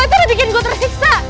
itu udah bikin gue tersiksa